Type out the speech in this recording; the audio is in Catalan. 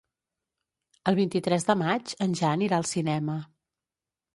El vint-i-tres de maig en Jan irà al cinema.